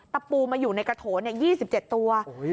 ตะปูมาอยู่ในกระโถนยี่สิบเจ็ดตัว